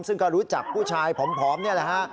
ซึ่งก็รู้จักผู้ชายผอมนี่แหละฮะ